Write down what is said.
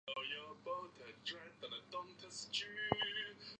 地拉那游击队足球俱乐部是阿尔巴尼亚的一家足球俱乐部。